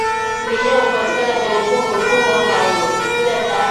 Minyoo hupatikana kwenye tumbo utumbo au maini